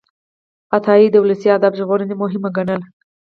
عطایي د ولسي ادب ژغورنه مهمه ګڼله.